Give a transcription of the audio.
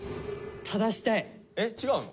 え違うの？